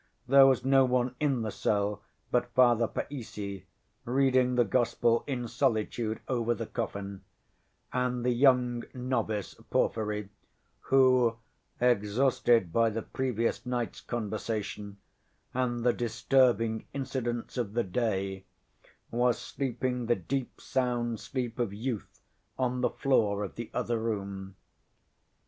There was no one in the cell but Father Païssy, reading the Gospel in solitude over the coffin, and the young novice Porfiry, who, exhausted by the previous night's conversation and the disturbing incidents of the day, was sleeping the deep sound sleep of youth on the floor of the other room.